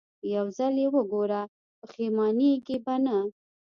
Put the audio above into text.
يو ځل يې وګوره پښېمانېږې به نه.